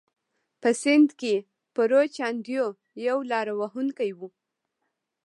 په سند کې پرو چاندیو یو لاره وهونکی و.